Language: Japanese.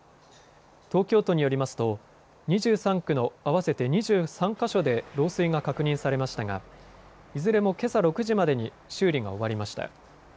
東京都によりますと２３区の合わせて２３か所で漏水が確認されましたがいずれもけさ６時までに修理が終わりました。